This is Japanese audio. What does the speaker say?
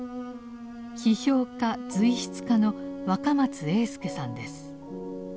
批評家随筆家の若松英輔さんです。